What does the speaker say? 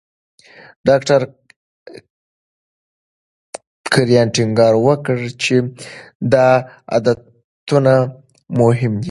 ډاکټر کرایان ټینګار وکړ چې دا عادتونه مهم دي.